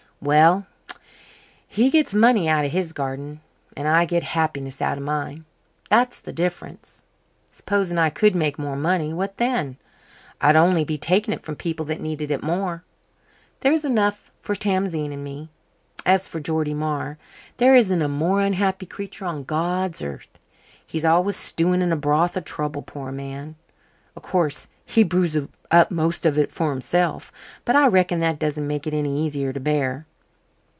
Well, he gets money out of his garden and I get happiness out of mine. That's the difference. S'posing I could make more money what then? I'd only be taking it from people that needed it more. There's enough for Tamzine and me. As for Geordie Marr, there isn't a more unhappy creature on God's earth he's always stewing in a broth of trouble, poor man. O' course, he brews up most of it for himself, but I reckon that doesn't make it any easier to bear.